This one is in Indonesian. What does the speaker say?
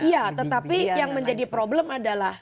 iya tetapi yang menjadi problem adalah